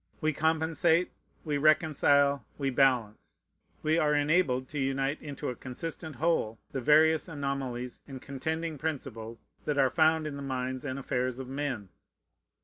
We compensate, we reconcile, we balance. We are enabled to unite into a consistent whole the various anomalies and contending principles that are found in the minds and affairs of men.